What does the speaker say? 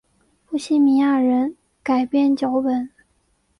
波希米亚人改编脚本。